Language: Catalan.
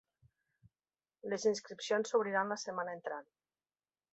Les inscripcions s’obriran la setmana entrant.